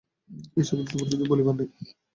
এ সম্বন্ধে তোমার কিছুই বলিবার নাই?